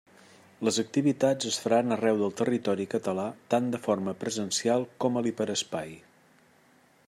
Les activitats es faran arreu del territori català, tant de forma presencial com a l'hiperespai.